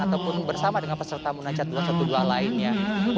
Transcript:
ataupun bersama dengan peserta munajat dua ratus dua belas lainnya